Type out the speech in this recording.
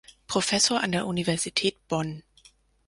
Professor an der Universität Bonn.